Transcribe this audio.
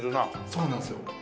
そうなんですよ。